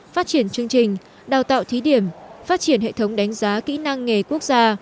phát triển chương trình đào tạo thí điểm phát triển hệ thống đánh giá kỹ năng nghề quốc gia